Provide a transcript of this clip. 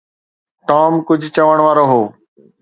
Tom ڪجهه چوڻ وارو هو.